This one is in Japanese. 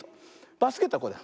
バスケットはこうだよ。